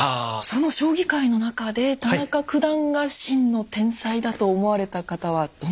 その将棋界の中で田中九段が真の天才だと思われた方はどなたですか？